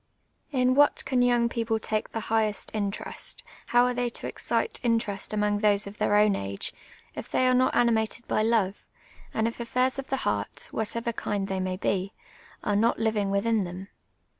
In what can young people take the highest interest, how are they to excite interest among tliose of tlieir o\m age, if they are not animated by love, and if affairs of the heart, of whatever kind they may be, are not living within them